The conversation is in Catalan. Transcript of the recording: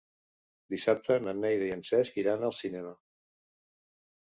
Dissabte na Neida i en Cesc iran al cinema.